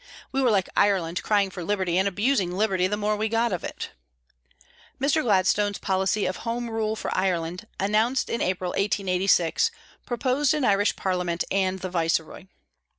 We were like Ireland crying for liberty and abusing liberty the more we got of it. Mr. Gladstone's policy of Home Rule for Ireland, announced in April, 1886, proposed an Irish Parliament and the Viceroy.